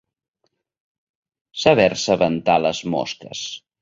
Saber-se ventar les mosques.